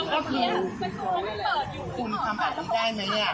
ก็คือคุณทำแบบนี้ได้ไหมอ่ะ